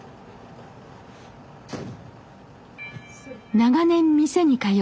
長年店に通う